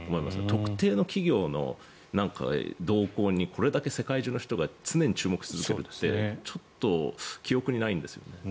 特定の企業の動向にこれだけ世界中の人が常に注目するってちょっと記憶にないんですよね。